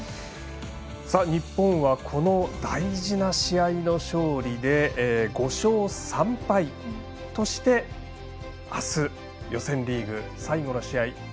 日本はこの大事な試合の勝利で５勝３敗としてあす、予選リーグ最後の試合